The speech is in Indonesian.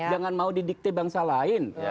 jangan mau didikte bangsa lain